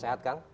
salam sehat kang